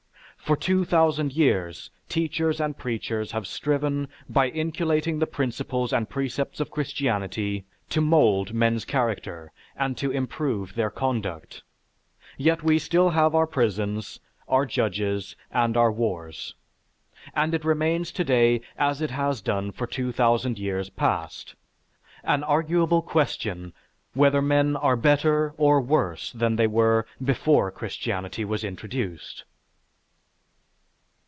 For two thousand years teachers and preachers have striven, by inculcating the principles and precepts of Christianity, to mould men's character and to improve their conduct; yet we still have our prisons, our judges, and our wars, and it remains today, as it has done for two thousand years past, an arguable question whether men are better or worse than they were before Christianity was introduced.